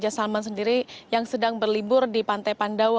jadi raja salman sendiri yang sedang berlibur di pantai pandawa